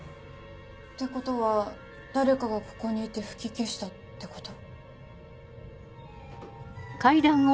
ってことは誰かがここにいて吹き消したってこと？